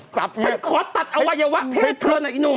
ฉันขอตัดอวัยวะเพศเธอหน่อยอีหนุ่ม